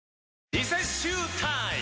リセッシュータイム！